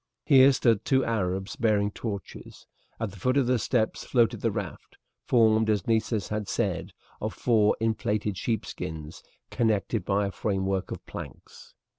Here stood two Arabs bearing torches. At the foot of the steps floated the raft, formed, as Nessus had said, of four inflated sheepskins connected by a framework of planks.